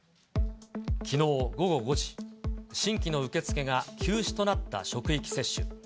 きのう午後５時、新規の受け付けが休止となった職域接種。